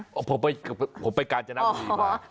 คุณไปไหนมาผมไปกาญจนักษ์ดีมาก